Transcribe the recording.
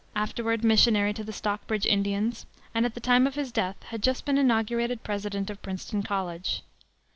afterward missionary to the Stockbridge Indians, and at the time of his death had just been inaugurated president of Princeton College.